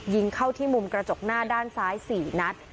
ยิงเข้าที่มุมกระจกหน้าด้านซ้าย๔นัด